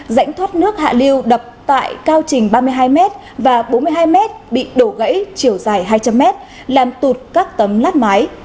rãnh thoát nước hạ lưu đập tại cao trình ba mươi hai m và bốn mươi hai m bị đổ gãy chiều dài hai trăm linh m làm tụt các tấm lát mái